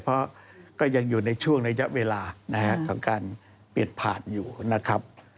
เพราะก็ยังอยู่ในช่วงระยะเวลานะครับของการเปลี่ยนผ่านอยู่นะครับ